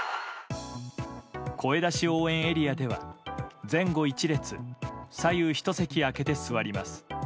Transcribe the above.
声出し応援エリアでは前後１列、左右１席空けて座ります。